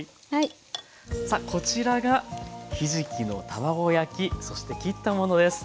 さあこちらがひじきの卵焼きそして切ったものです。